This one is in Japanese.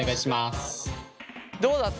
どうだった？